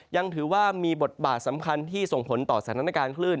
ยังถือว่ามีบทบาทสำคัญที่ส่งผลต่อสถานการณ์คลื่น